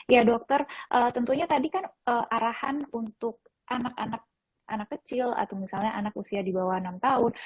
ya dokter tentunya tadi kan arahan untuk anak anak kecil atau misalnya anak usia di bawah enam tahun